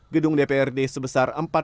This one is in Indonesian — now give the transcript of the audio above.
gedung dprd sebesar rp tujuh puluh dua miliar